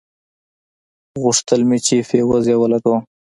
غوښتل مې چې فيوز يې ولګوم.